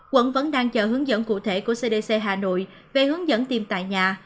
quận vẫn đang chờ hướng dẫn cụ thể của cdc hà nội về hướng dẫn tìm tại nhà